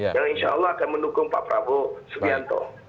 yang insya allah akan mendukung pak prabowo subianto